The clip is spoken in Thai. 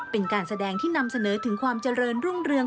เป็นการแสดงที่นำเสนอถึงความเจริญรุ่งเรือง